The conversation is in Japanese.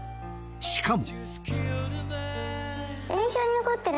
しかも。